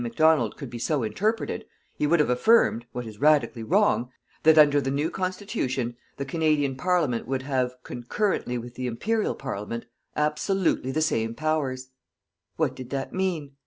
Macdonald could be so interpreted, he would have affirmed what was radically wrong that under the new Constitution, the Canadian Parliament would have, concurrently with the Imperial Parliament, absolutely the same powers. What did that mean?